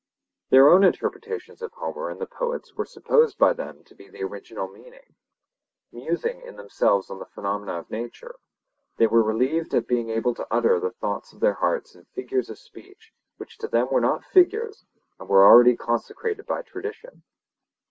Their own interpretations of Homer and the poets were supposed by them to be the original meaning. Musing in themselves on the phenomena of nature, they were relieved at being able to utter the thoughts of their hearts in figures of speech which to them were not figures, and were already consecrated by tradition.